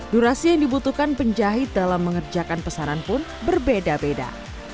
durasi yang dibutuhkan penjahit dalam mengerjakan pesanan pun berbeda beda